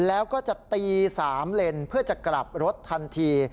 แล้วก็จะตี๓เลนเพื่อจะกลับรถทันที